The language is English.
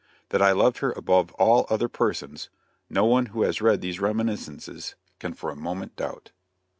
That I loved her above all other persons, no one who has read these reminiscences can for a moment doubt.